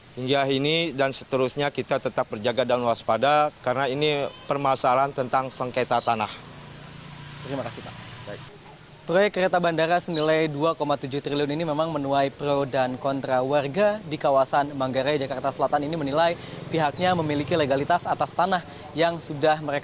hingga ini dan seterusnya kita tetap berjaga dan waspada karena ini permasalahan tentang sengketa tanah